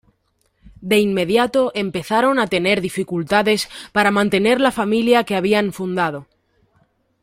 De inmediato empezaron a tener dificultades para mantener la familia que habían fundado.